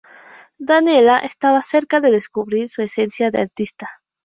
Daniela estaba cerca de descubrir su esencia de artista.